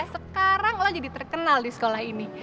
sekarang lo jadi terkenal di sekolah ini